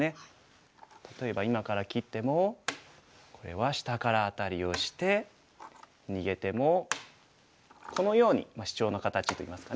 例えば今から切ってもこれは下からアタリをして逃げてもこのようにシチョウの形といいますかね。